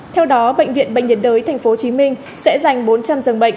theo đó bệnh viện bệnh nhiệt đới tp hcm sẽ dành bốn trăm linh dường bệnh